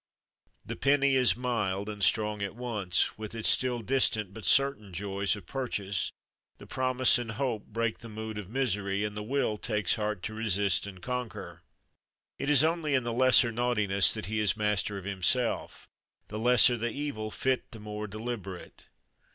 The penny is mild and strong at once, with its still distant but certain joys of purchase; the promise and hope break the mood of misery, and the will takes heart to resist and conquer. It is only in the lesser naughtiness that he is master of himself. The lesser the evil fit the more deliberate.